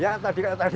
ya tadi katakan